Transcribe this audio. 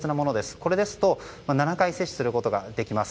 これですと７回接種することができます。